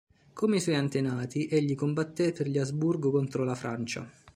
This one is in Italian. Come i suoi antenati egli combatté per gli Asburgo contro la Francia.